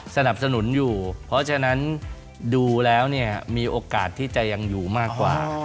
สนับสนุนอยู่เพราะฉะนั้นดูแล้วเนี่ยมีโอกาสที่จะยังอยู่มากกว่า